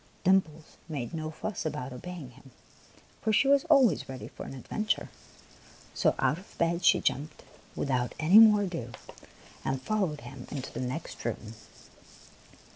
Dimples made no fuss about obeying him, for she was always ready for an adventure; so out of bed she jumped without any more ado, and followed him into the next room.